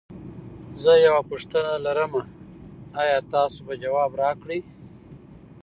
زه یوه پوښتنه لرم ایا تاسو به ځواب راکړی؟